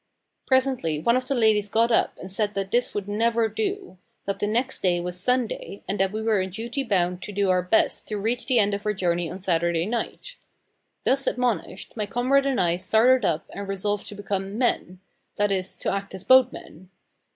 Presently one of the ladies got up and said that this would never do; that the next day was Sunday, and that we were in duty bound to do our best to reach the end of our journey on Saturday night. Thus admonished, my comrade and I started up and resolved to become "men," that is, to act as boatmen.